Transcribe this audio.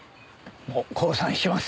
もう降参します。